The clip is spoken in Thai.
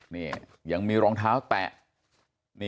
นี่ยังมีรองเท้าแตะ